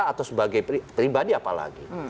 atau sebagai pribadi apalagi